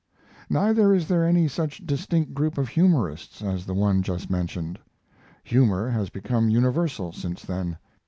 Neither is there any such distinct group of humorists as the one just mentioned. Humor has become universal since then.